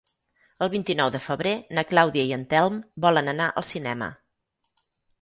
El vint-i-nou de febrer na Clàudia i en Telm volen anar al cinema.